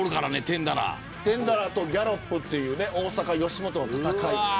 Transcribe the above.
テンダラーとギャロップという大阪吉本の戦い。